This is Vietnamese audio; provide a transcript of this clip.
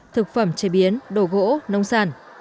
thực phẩm chế biến đồ gỗ nông sản